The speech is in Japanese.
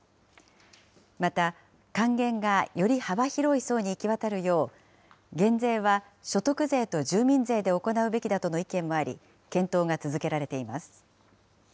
また、還元がより幅広い層に行き渡るよう、減税は所得税と住民税で行うべきだとの意見もあり、検討が続けられています。